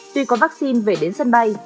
tuy có vaccine về đến sân bay